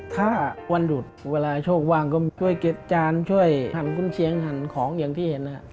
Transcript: ถ้าวันหยุดเวลาโชคว่างก็ช่วยเก็บจานช่วยหันกุญเชียงหั่นของอย่างที่เห็นนะครับ